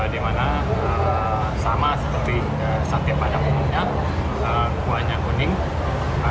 di mana sama seperti sate pada umumnya kuahnya kuning